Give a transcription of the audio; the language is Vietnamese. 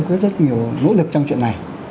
có rất nhiều nỗ lực trong chuyện này